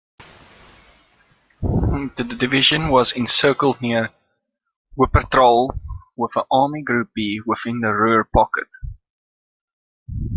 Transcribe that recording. The division was encircled near Wuppertal with Army Group B within the Ruhr Pocket.